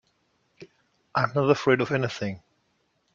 I'm not afraid of anything.